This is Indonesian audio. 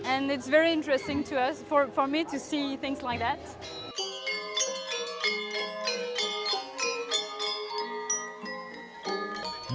kita memiliki alat lain di perancis dan itu sangat menarik bagi saya untuk melihat hal hal seperti itu